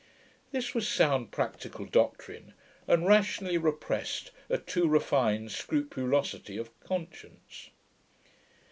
This was sound practical doctrine, and rationally repressed a too refined scrupulosity of conscience.